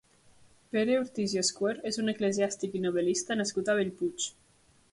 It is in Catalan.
Pere Ortís i Escuer és un eclesiàstic i novel·lista nascut a Bellpuig.